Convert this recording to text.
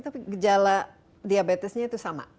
tapi gejala diabetesnya itu sama